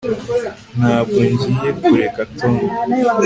Ntabwo ngiye kureka Tom